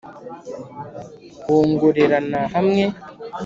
wongorerana hamwe,